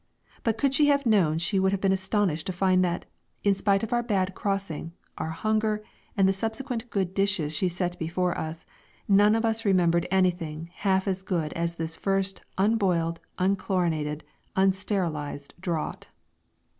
But could she have known she would have been astonished to find that, in spite of our bad crossing, our hunger, and the subsequent good dishes she set before us, none of us remembered anything half as good as this first unboiled, unchlorinated, unsterilised draught.